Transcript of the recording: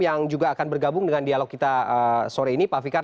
yang juga akan bergabung dengan dialog kita sore ini pak fikar